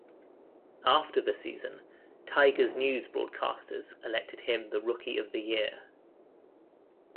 After the season, Tigers news broadcasters elected him the Rookie of the Year.